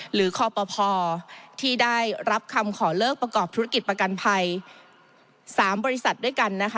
หรือคอปภที่ได้รับคำขอเลิกประกอบธุรกิจประกันภัย๓บริษัทด้วยกันนะคะ